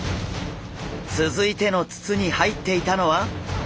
続いての筒に入っていたのは！